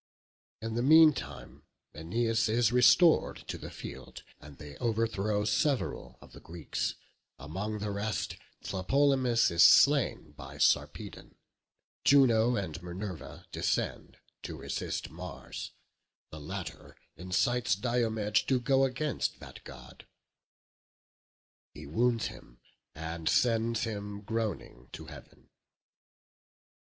In the mean time Æneas is restored to the field, and they overthrow several of the Greeks; among the rest Tlepolemus is slain by Sarpedon. Juno and Minerva descend to resist Mars; the latter incites Diomed to go against that god; he wounds him, and sends him groaning to heaven.